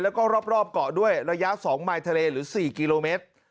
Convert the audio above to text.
แล้วก็รอบเกาะด้วยระยะ๒มายทะเลหรือ๔กิโลเมตร